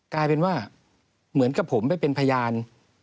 กลายเป็นว่าเหมือนกับผมไปเป็นพยาน